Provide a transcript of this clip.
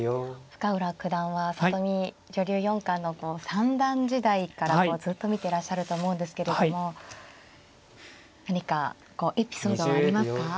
深浦九段は里見女流四冠の三段時代からずっと見てらっしゃると思うんですけれども何かこうエピソードはありますか？